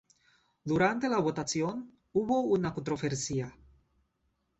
Durante la votación, hubo una controversia.